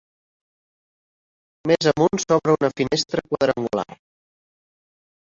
Més amunt s'obre una finestra quadrangular.